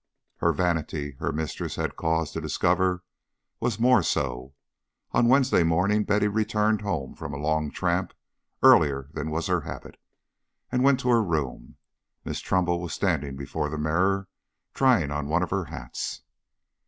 Her vanity, her mistress had cause to discover, was more so. On Wednesday morning Betty returned home from a long tramp, earlier than was her habit, and went to her room. Miss Trumbull was standing before the mirror trying on one of her hats.